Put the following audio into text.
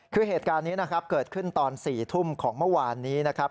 คือเหตุการณ์นี้นะครับเกิดขึ้นตอน๔ทุ่มของเมื่อวานนี้นะครับ